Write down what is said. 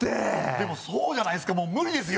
でもそうじゃないすかもう無理ですよ